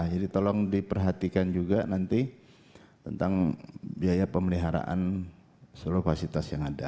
jadi tolong diperhatikan juga nanti tentang biaya pemeliharaan seluruh kwasitas yang ada